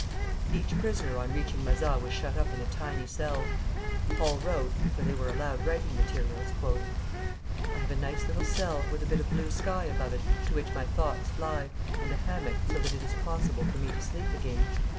Each prisoner on reaching Mazas was shut up in a tiny cell. Paul wrote (for they were allowed writing materials): "I have a nice little cell, with a bit of blue sky above it, to which my thoughts fly, and a hammock, so that it is possible for me to sleep again.